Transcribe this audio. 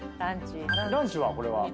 ランチはこれは？